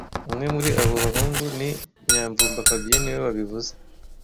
Umwe muri abo bahungu ni Nyamvumba fabien niwe wabivuze